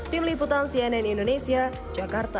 tim liputan cnn indonesia jakarta